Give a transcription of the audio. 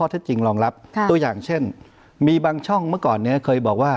ตัวอย่างเช่นมีบางช่องเมื่อก่อนนี้เคยบอกว่า